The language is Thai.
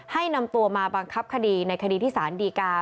ให้นำตัวมาบังคับคดีในคดีที่สารดีกา